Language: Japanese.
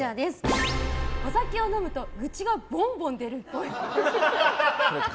お酒を飲むと愚痴がボンボンでるっぽい。